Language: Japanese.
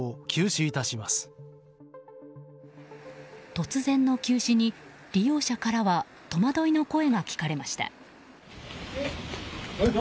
突然の休止に利用者からは戸惑いの声が聞かれました。